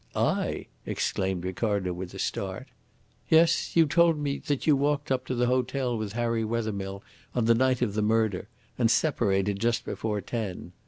"I!" exclaimed Ricardo, with a start. "Yes. You told me that you walked up to the hotel with Harry Wethermill on the night of the murder and separated just before ten.